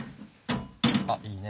あっいいね